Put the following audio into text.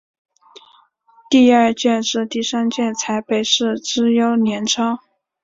第二届至第三届采北市资优联招。